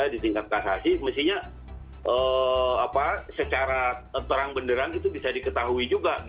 di tingkat kasasi mestinya secara terang benderang itu bisa diketahui juga